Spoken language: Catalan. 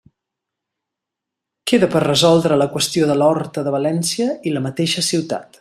Queda per resoldre la qüestió de l'Horta de València i la mateixa ciutat.